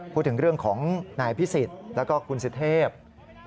พูดถึงเรื่องของนายพิศิษฐ์แล้วก็คุณสิทธิพธิ์